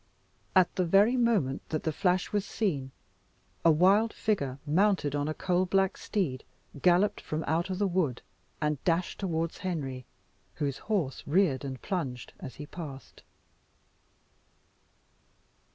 At the very moment that the flash was seen, a wild figure, mounted on a coal black steed, galloped from out the wood, and dashed towards Henry, whose horse reared and plunged as he passed.